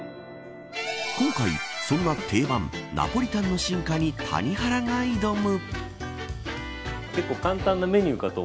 今回、そんな定番ナポリタンの進化に谷原が挑む。